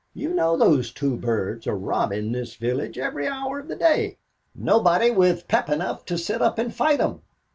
You know those two birds are robbing this village every hour of the day. Nobody with pep enough to sit up and fight 'em.